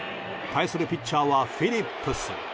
対するピッチャーはフィリップス。